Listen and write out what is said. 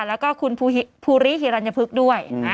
แล้วก็คุณภูริฮีรันยภึกด้วย